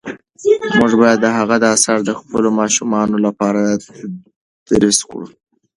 موږ باید د هغه آثار د خپلو ماشومانو لپاره تدریس کړو.